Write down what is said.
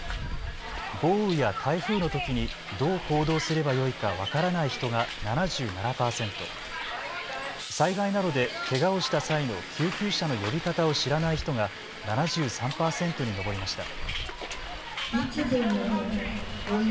豪雨や台風のときにどう行動すればよいか分からない人が７７％、災害などでけがをした際の救急車の呼び方を知らない人が７３％に上りました。